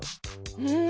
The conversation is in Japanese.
うん。